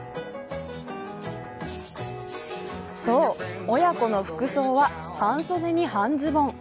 そう、親子の服装は半袖に半ズボン。